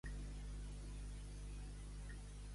En els braços de Morfeu.